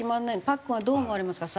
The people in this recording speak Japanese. パックンはどう思われますか？